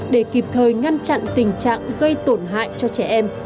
để kịp thời ngăn chặn tình trạng gây tổn hại cho trẻ em